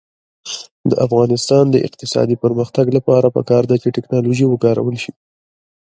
د افغانستان د اقتصادي پرمختګ لپاره پکار ده چې ټیکنالوژي وکارول شي.